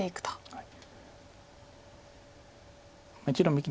はい。